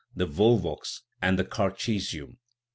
the volvox and the carchesium).